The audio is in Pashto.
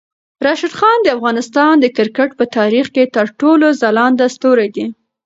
راشد خان د افغانستان د کرکټ په تاریخ کې تر ټولو ځلاند ستوری دی.